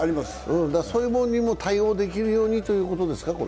そういうものにも対応できるようにということですか？